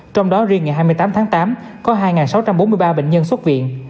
trong đó riêng ngày hai mươi tám tháng tám có hai sáu trăm bốn mươi ba bệnh nhân xuất viện